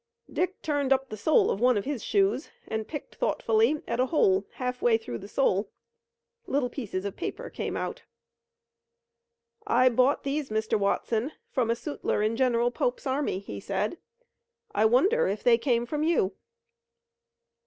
Dick turned up the sole of one of his shoes and picked thoughtfully at a hole half way through the sole. Little pieces of paper came out. "I bought these, Mr. Watson, from a sutler in General Pope's army," he said. "I wonder if they came from you?"